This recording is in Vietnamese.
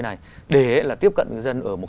này để là tiếp cận người dân ở một